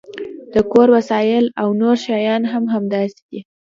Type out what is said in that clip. د کور وسایل او نور شیان هم همداسې دي